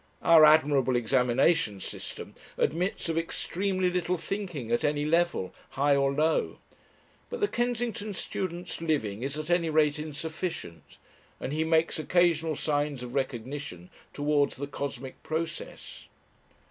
Our admirable examination system admits of extremely little thinking at any level, high or low. But the Kensington student's living is at any rate insufficient, and he makes occasional signs of recognition towards the cosmic process.